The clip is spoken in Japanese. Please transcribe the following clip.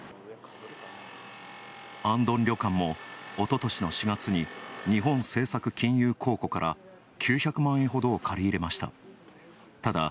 行燈旅館も、おととしの４月に日本政策金融公庫から９００万円ほどを借り入れました。